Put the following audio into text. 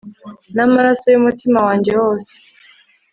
Namaraso yumutima wanjye wose